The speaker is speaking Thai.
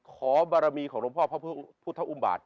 ขอบารมีของหลวงพ่อพระพุทธอุมบาท